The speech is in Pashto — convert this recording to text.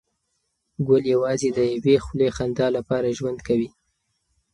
ګل یوازې د یوې خولې خندا لپاره ژوند کوي.